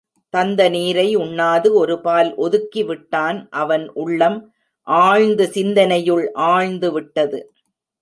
தந்த நீரை உண்ணாது ஒருபால் ஒதுக்கி விட்டான் அவன் உள்ளம் ஆழ்ந்த சிந்தனையுள் ஆழ்ந்து விட்டது.